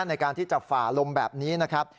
ในการที่จะฝ่าลมแบบนี้นะครับ